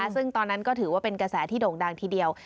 ซึ่งตอนนั้นก็ถือว่าเป็นกระแสที่โด่งดังทีเดียว